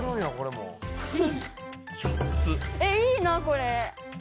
えいいなこれ。